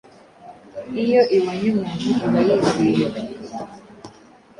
iyo ibonye umuntu iba yizihiwe